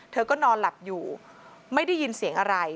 เธอก็นอนหลับอยู่ไม่ได้ยินเสียงอะไร